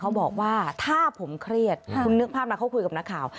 เขาบอกว่าถ้าผมเครียดคุณนึกภาพนะเขาคุยกับนักข่าว